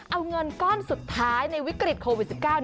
เอาเงินก้อนสุดท้ายในวิกฤตโควิด๑๙